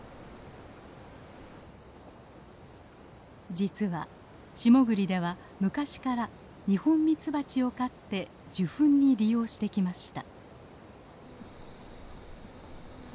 実は下栗では昔からニホンミツバチを飼って受粉に利用してきました。